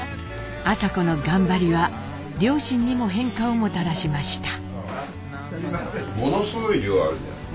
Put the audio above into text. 麻子の頑張りは両親にも変化をもたらしました。